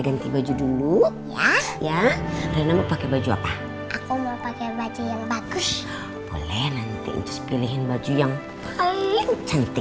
ganti baju dulu ya ya rena mau pakai baju apa aku mau pakai baju yang bagus boleh nanti just pilihin baju yang palingcantik